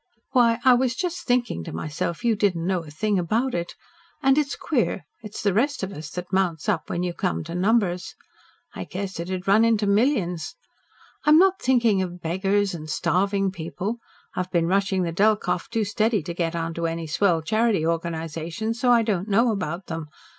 "Why, I was just thinking to myself you didn't know a thing about it. And it's queer. It's the rest of us that mounts up when you come to numbers. I guess it'd run into millions. I'm not thinking of beggars and starving people, I've been rushing the Delkoff too steady to get onto any swell charity organisation, so I don't know about them.